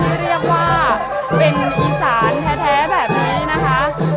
เรียกว่าเป็นอีสานแท้แบบนี้นะคะ